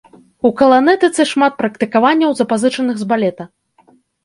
У каланэтыцы шмат практыкаванняў, запазычаных з балета.